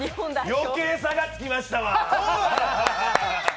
余計差がつきましたわ！